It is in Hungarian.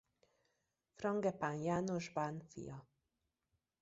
Frangepán János bán fia.